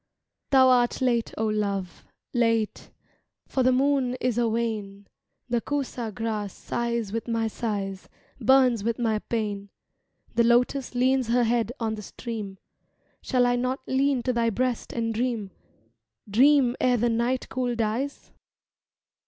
Thou art late, O Love, Late, For the moon is a wane. The kusa grass sighs with my sighs, Burns with my pain. The lotus leans her head on the stream Shall I not lean to thy breast and dream, Dream ere the night cool dies?